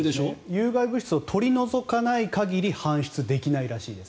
有害物質を取り除かない限り搬出できないらしいです。